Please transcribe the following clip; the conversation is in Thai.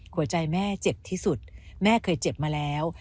หัวใจแม่เจ็บที่สุดแม่เคยเจ็บมาแล้ว